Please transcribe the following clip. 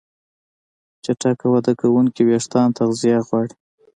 چټک وده کوونکي وېښتيان تغذیه غواړي.